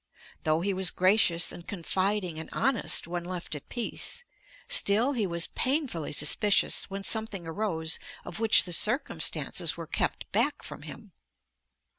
Though he was gracious and confiding and honest when left at peace, still he was painfully suspicious when something arose of which the circumstances were kept back from him.